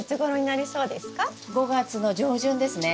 ５月の上旬ですね。